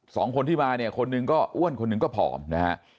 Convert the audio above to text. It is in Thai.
สองคนที่มาเนี่ยคนหนึ่งก็อ้วนคนหนึ่งก็ผอมนะฮะ